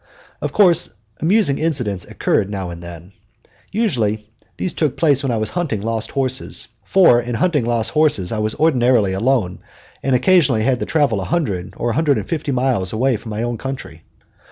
Of course amusing incidents occurred now and then. Usually these took place when I was hunting lost horses, for in hunting lost horses I was ordinarily alone, and occasionally had to travel a hundred or a hundred and fifty miles away from my own country.